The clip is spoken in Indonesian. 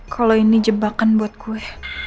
kalau ini jebakan buat gue